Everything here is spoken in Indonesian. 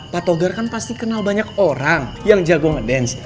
pak togar kan pasti kenal banyak orang yang jago ngedance